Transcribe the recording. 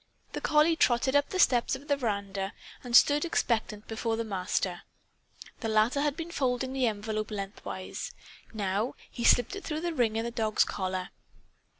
The collie trotted up the steps of the veranda and stood expectant before the Master. The latter had been folding the envelope lengthwise. Now he slipped it through the ring in the dog's collar.